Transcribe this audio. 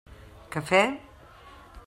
Cafè?